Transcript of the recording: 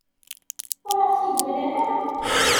Ur aɣ-t-id-mlan ara.